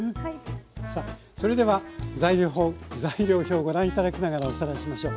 さあそれでは材料材料表ご覧頂きながらおさらいしましょう。